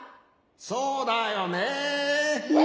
・そうだよねえ！